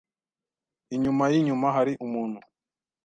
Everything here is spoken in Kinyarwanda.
Inyuma yinyuma hari umuntu.